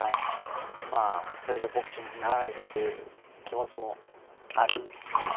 それじゃボクシングにならないぞという気持ちもあり。